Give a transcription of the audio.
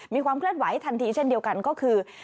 มีความเคลื่อนไหวทันทีเช่นเดียวกันก็คือ